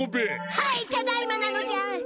はいただいまなのじゃ！